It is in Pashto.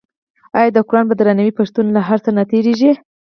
آیا د قران په درناوي پښتون له هر څه نه تیریږي؟